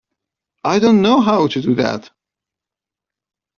I don't know how to do that.